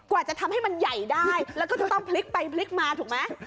จะทำให้มันใหญ่ได้แล้วก็จะต้องพลิกไปพลิกมาถูกไหม